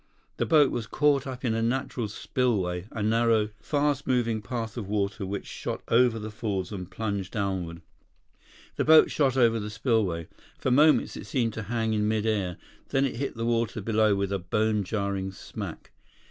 The boat was caught up in a natural spillway, a narrow, fast moving path of water which shot over the falls and plunged downward. The boat shot over the spillway. For moments, it seemed to hang in mid air. Then it hit the water below with a bone jarring smack.